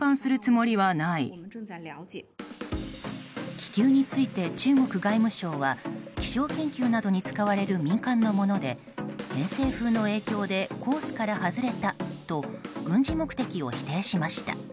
気球について、中国外務省は気象研究などに使われる民間のもので偏西風の影響でコースから外れたと軍事目的を否定しました。